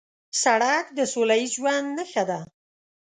سړک د سولهییز ژوند نښه ده.